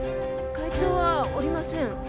「会長はおりません」